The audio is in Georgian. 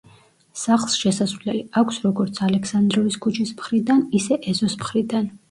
სახლს შესასვლელი აქვს როგორც ალექსანდროვის ქუჩის მხრიდან ისე ეზოს მხრიდან.